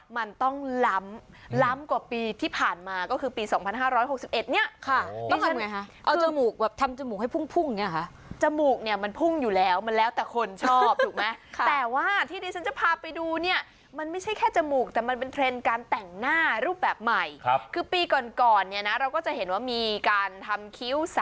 มันต้องล้ำล้ำกว่าปีที่ผ่านมาก็คือปีสองพันห้าร้อยหกสิบเอ็ดเนี้ยค่ะต้องทำยังไงคะเอาจมูกแบบทำจมูกให้พุ่งพุ่งเนี้ยค่ะจมูกเนี้ยมันพุ่งอยู่แล้วมันแล้วแต่คนชอบถูกไหมค่ะแต่ว่าที่เดี๋ยวฉันจะพาไปดูเนี้ยมันไม่ใช่แค่จมูกแต่มันเป็นเทรนด์การแต่งหน้ารูปแบบใหม่ครับคือปีก่อนก่